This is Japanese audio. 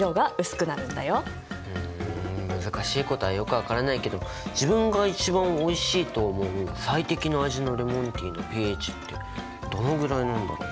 うん難しいことはよく分からないけど自分が一番おいしいと思う最適の味のレモンティーのｐＨってどのぐらいなんだろう？